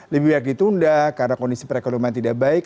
lebih banyak ditunda karena kondisi perekonomian tidak baik